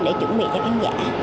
để chuẩn bị cho khán giả